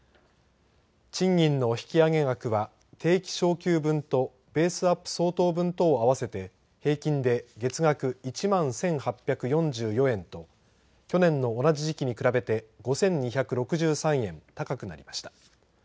賃金の引き上げ額は定期昇給分とベースアップ相当分とを合わせて平均で月額１万１８４４円と去年の同じ時期に比べて５２６３円高くなりました。